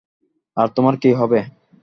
আর তোমার কী হবে?